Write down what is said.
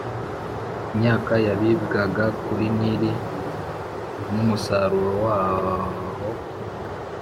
Imyaka yabibwaga kuri Nili n’umusaruro w’aho,